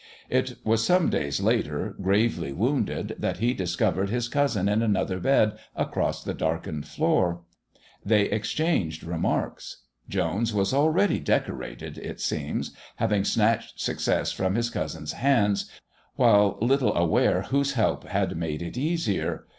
It was some days later, gravely wounded, that he discovered his cousin in another bed across the darkened floor. They exchanged remarks. Jones was already "decorated," it seemed, having snatched success from his cousin's hands, while little aware whose help had made it easier....